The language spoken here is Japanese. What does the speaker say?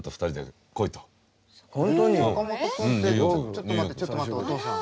ちょっと待ってちょっと待ってお父さん。